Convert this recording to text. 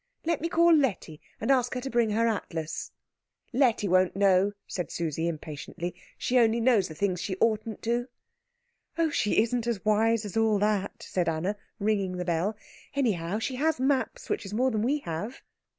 Let me call Letty, and ask her to bring her atlas." "Letty won't know," said Susie impatiently, "she only knows the things she oughtn't to." "Oh, she isn't as wise as all that," said Anna, ringing the bell. "Anyhow she has maps, which is more than we have."